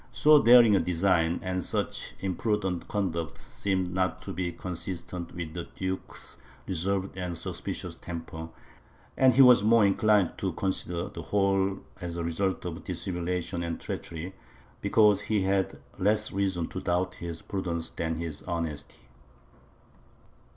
So daring a design, and such imprudent conduct, seemed not to be consistent with the duke's reserved and suspicious temper, and he was the more inclined to consider the whole as the result of dissimulation and treachery, because he had less reason to doubt his prudence than his honesty.